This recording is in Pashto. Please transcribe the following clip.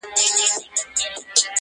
ډېري مو وکړې د تاریخ او د ننګونو کیسې,